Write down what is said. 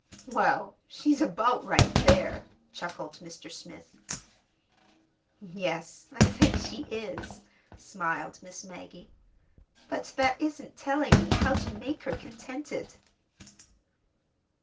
"Well, she's about right there," chuckled Mr. Smith. "Yes, I think she is," smiled Miss Maggie; "but that isn't telling me how to make her contented."